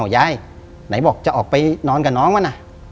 ยายไหนบอกจะออกไปนอนกับน้องมันนะ